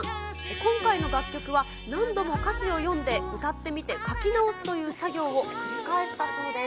今回の楽曲は、何度も歌詞を読んで、歌ってみて書き直すという作業を繰り返したそうです。